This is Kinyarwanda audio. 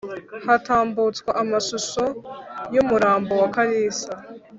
hatambutswa amashusho yumurambo wa kalisa